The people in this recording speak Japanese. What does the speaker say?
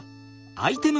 アイテム